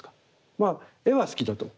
まあ絵は好きだと。